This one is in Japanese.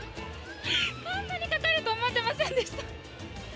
こんなにかかると思ってませんでした！